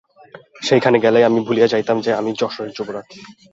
সেইখানে গেলেই আমি ভুলিয়া যাইতাম যে, আমি যশোহরের যুবরাজ।